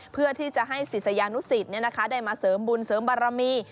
เพื่อที่จะให้ศิษยานุศิษย์เนี่ยนะคะได้มาเสริมบุญเสริมบารมี